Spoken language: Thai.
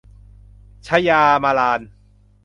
ชยามาลาน